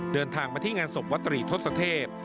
เดินทางมาที่งานศพวัตรีทศเทพ